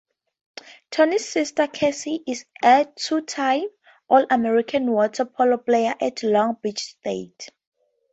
Tony's sister Cassie is a two-time All-American water polo player at Long Beach State.